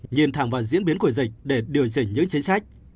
nhìn thẳng vào diễn biến của dịch để điều chỉnh những chính sách